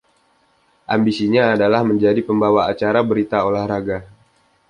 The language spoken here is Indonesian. Ambisinya adalah menjadi pembawa acara berita olahraga.